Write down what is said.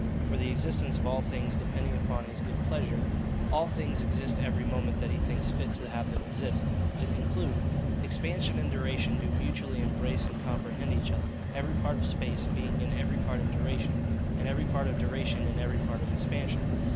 For the existence of all things, depending upon his good pleasure, all things exist every moment that he thinks fit to have them exist. To conclude: expansion and duration do mutually embrace and comprehend each other; every part of space being in every part of duration, and every part of duration in every part of expansion.